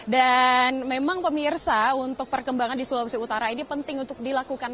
memang pemirsa untuk perkembangan di sulawesi utara ini penting untuk dilakukan